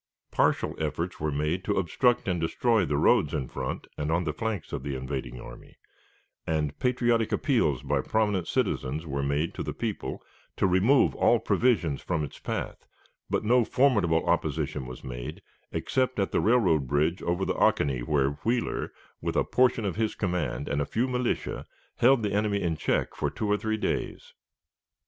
Partial efforts were made to obstruct and destroy the roads in the front and on the flanks of the invading army, and patriotic appeals by prominent citizens were made to the people, to remove all provisions from its path, but no formidable opposition was made, except at the railroad bridge over the Oconee, where Wheeler, with a portion of his command and a few militia, held the enemy in check for two or three days.